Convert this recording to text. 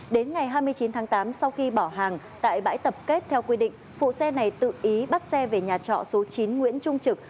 đến ngày hai mươi chín tháng tám sau khi bỏ hàng tại bãi tập kết theo quy định phụ xe này tự ý bắt xe về nhà trọ số chín nguyễn trung trực